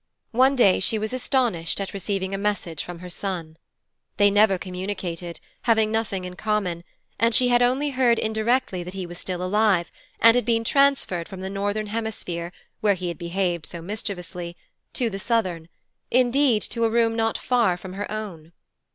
One day she was astonished at receiving a message from her son. They never communicated, having nothing in common, and she had only heard indirectly that he was still alive, and had been transferred from the northern hemisphere, where he had behaved so mischievously, to the southern indeed, to a room not far from her own.